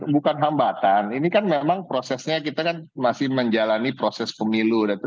bukan hambatan ini kan memang prosesnya kita kan masih menjalani proses pemilu